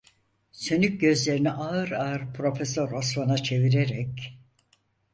Sönük gözlerini ağır ağır Profesör Osman'a çevirerek: